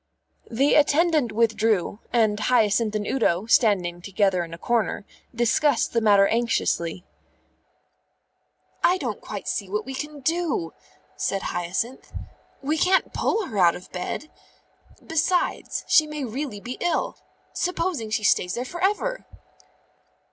The attendant withdrew, and Hyacinth and Udo, standing together in a corner, discussed the matter anxiously. "I don't quite see what we can do," said Hyacinth. "We can't pull her out of bed. Besides, she may really be ill. Supposing she stays there for ever!"